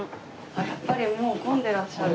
やっぱりもう混んでらっしゃる。